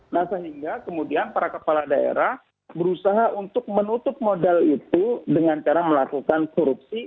nah sehingga kemudian para kepala daerah berusaha untuk menutup modal itu dengan cara melakukan korupsi